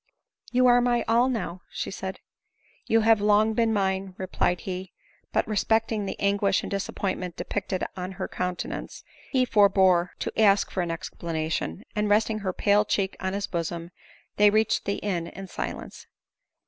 " You are my all now," said she. " You have long been mine," replied he ; but respecting the anguish and disappointment depicted on her countenance, he forbore to ask for an explanation ; and resting her pale cheek on his bosom, they reached the inn in silence.